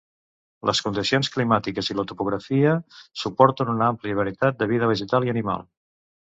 Les condicions climàtiques i la topografia suporten una àmplia varietat de vida vegetal i animal.